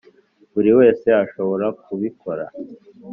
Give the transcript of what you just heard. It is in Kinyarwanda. buri wese ashobora kubikora